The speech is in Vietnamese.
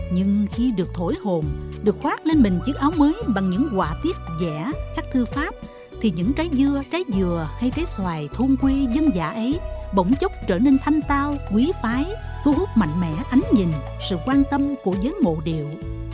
nhưng khi được thổi hồn được khoát lên mình chiếc áo mới bằng những quả tiết dẻ khắc thư pháp thì những trái dưa trái dừa hay trái xoài thôn quê dân giả ấy bỗng chốc trở nên thanh tao quý phái thu hút mạnh mẽ ánh nhìn sự quan tâm của giới ngộ điệu